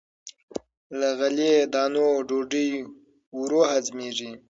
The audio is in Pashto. له غلې- دانو ډوډۍ ورو هضمېږي.